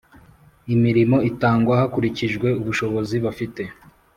imirimo itangwa hakurikijwe ubushobozi bafite.